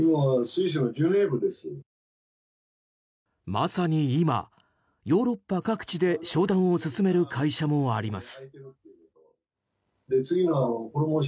まさに今、ヨーロッパ各地で商談を進める会社もあります。